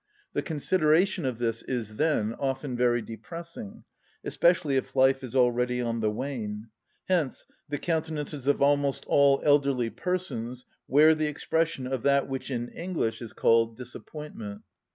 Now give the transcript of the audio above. The consideration of this is, then, often very depressing, especially if life is already on the wane; hence the countenances of almost all elderly persons wear the expression of that which in English is called disappointment.